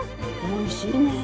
おいしいねえ。